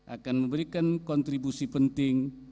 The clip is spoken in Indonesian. akan memberikan kontribusi penting